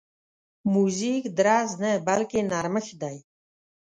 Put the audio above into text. موزیک درز نه، بلکې نرمښت دی.